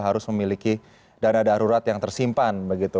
harus memiliki dana darurat yang tersimpan begitu